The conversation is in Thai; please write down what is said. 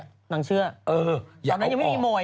นางเชื่อตอนนั้นยังไม่มีมวย